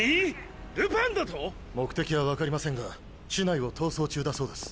ルパンだと⁉目的は分かりませんが市内を逃走中だそうです。